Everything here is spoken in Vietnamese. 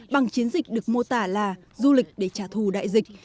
bằng chiến dịch được mô tả là du lịch để trả thù đại dịch